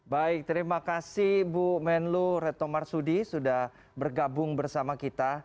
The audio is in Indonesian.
baik terima kasih bu menlu retno marsudi sudah bergabung bersama kita